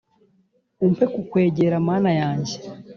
Umpe kukwegera mana yanjye